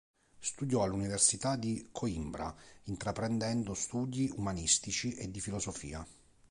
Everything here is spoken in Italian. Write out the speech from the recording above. Studiò all'Università di Coimbra, intraprendendo studi umanistici e di filosofia.